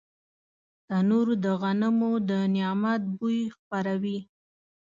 تنور د غنمو د نعمت بوی خپروي